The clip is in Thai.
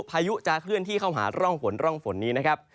พายุจะเคลื่อนที่เข้าหาร่องฝนร่องฝนนี้นะครับ